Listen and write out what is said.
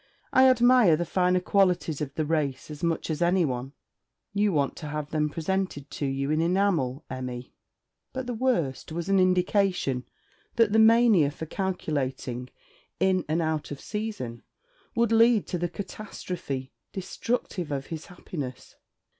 'I admire the finer qualities of the race as much as any one. You want to have them presented to you in enamel, Emmy.' But the worst was an indication that the mania for calculating in and out of season would lead to the catastrophe destructive of his happiness.